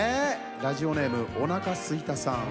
ラジオネームおなかすいたさん。